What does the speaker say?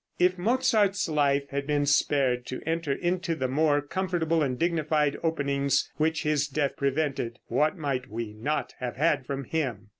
If Mozart's life had been spared to enter into the more comfortable and dignified openings which his death prevented, what might we not have had from him!